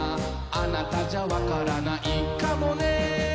「あなたじゃ分からないかもね」